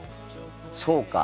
そうか。